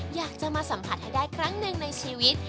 อยากจะมาสัมผัสให้ได้ครั้งหนึ่งในชีวิต